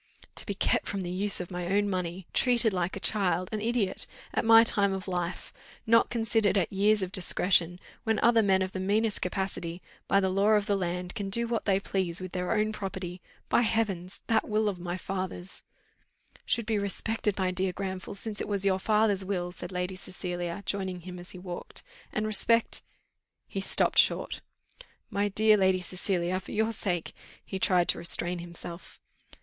"To be kept from the use of my own money, treated like a child an idiot at my time of life! Not considered at years of discretion, when other men of the meanest capacity, by the law of the land, can do what they please with their own property! By heavens! that will of my father's " "Should be respected, my dear Granville, since it was your father's will," said Lady Cecilia, joining him as he walked. "And respect " He stopped short. "My dear Lady Cecilia, for your sake " he tried to restrain himself.